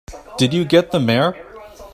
Did you get the Mayor?